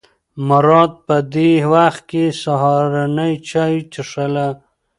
مراد په دې وخت کې سهارنۍ چای څښله.